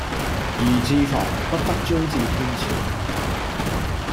宜自防，不得專恃天朝